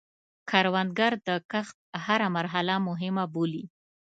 کروندګر د کښت هره مرحله مهمه بولي